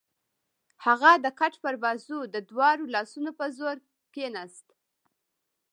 هغه د کټ پر بازو د دواړو لاسونو په زور کېناست.